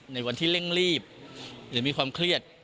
ในวันที่เร่งรีบหรือมีความเครียด